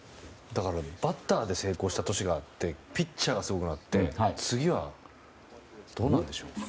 バッターで成功した年があってピッチャーがすごくなって次は、どうなんでしょう？